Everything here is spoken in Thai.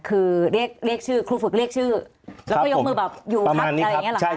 คือเรียกชื่อครูฝึกเรียกชื่อแล้วก็ยกมือแบบอยู่ครับอย่างนี้หลังค่ะ